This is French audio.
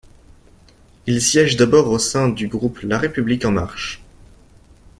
Il siège d’abord au sein du groupe La République en marche.